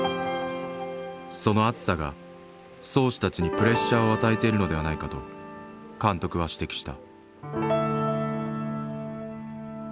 その熱さが漕手たちにプレッシャーを与えているのではないかと監督は指摘した。